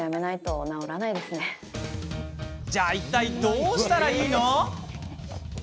じゃあ、いったいどうしたらいいの？